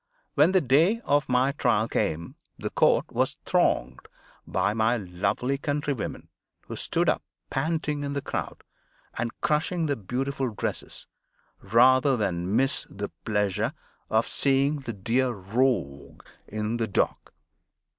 When the day of my trial came, the court was thronged by my lovely countrywomen, who stood up panting in the crowd and crushing their beautiful dresses, rather than miss the pleasure of seeing the dear Rogue in the dock.